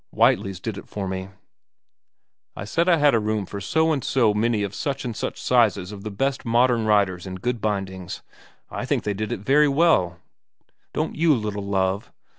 ' Whiteley's did it for me. I said I had room for so and so many of such and such sizes of the best modern writers in good bindings. I think they did it very well, don't you little Love